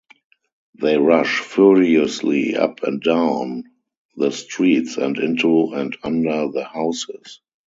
They rush furiously up and down the streets and into and under the houses.